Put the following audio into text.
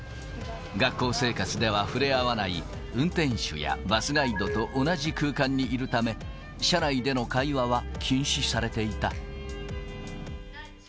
学校生活では触れ合わない運転手やバスガイドと同じ空間にいるため、車内での会話は禁止されていた。